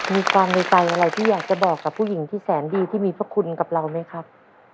มีความในใจอะไรที่อยากจะบอกกับผู้หญิงที่แสนดีที่มีพระคุณกับเราไหมครับ